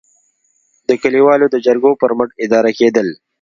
د کلیوالو د جرګو پر مټ اداره کېدل.